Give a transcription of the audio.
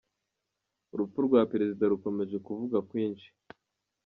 Urupfu rwa perezida rukomeje kuvugwa kwinshi